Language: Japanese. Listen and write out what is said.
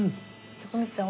徳光さん